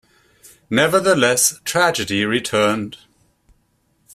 Nevertheless, tragedy returned.